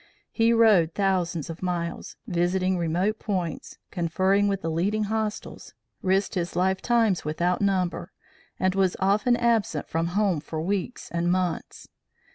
He rode thousands of miles, visiting remote points, conferred with the leading hostiles, risked his life times without number, and was often absent from home for weeks and months.